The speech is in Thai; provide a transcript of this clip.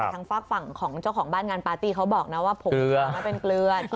ทางฝากฝั่งของเจ้าของบ้านงานปาร์ตี้เขาบอกนะว่าผมเป็นเกลือ